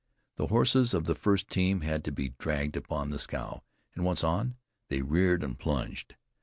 The horses of the first team had to be dragged upon the scow, and once on, they reared and plunged.